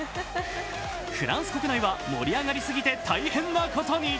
フランス国内は盛り上がりすぎて大変なことに。